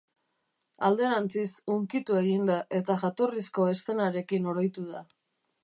Alderantziz, hunkitu egin da, eta jatorrizko eszenarekin oroitu da.